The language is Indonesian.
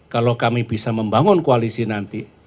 kalau kami bisa membangun koalisi nanti